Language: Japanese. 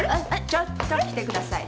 ちょっと来てください。